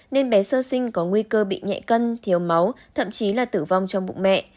nên bé sơ sinh có nguy cơ bị nhẹ cân thiếu máu thậm chí là tử vong trong bụng mẹ